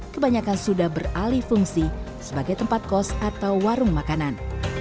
kebanyakan sudah beralih fungsi sebagai tempat kos atau warung makanan